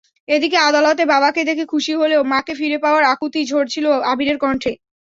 এদিকে আদালতে বাবাকে দেখে খুশি হলেও মাকে ফিরে পাওয়ার আকুতি ঝরছিল আবিরের কণ্ঠে।